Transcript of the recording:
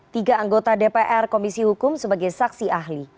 tiga anggota dpr komisi hukum sebagai saksi ahli